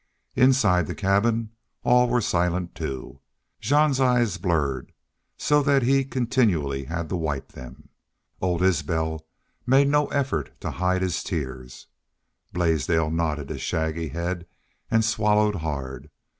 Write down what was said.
Inside the cabin all were silent, too. Jean's eyes blurred so that he continually had to wipe them. Old Isbel made no effort to hide his tears. Blaisdell nodded his shaggy head and swallowed hard.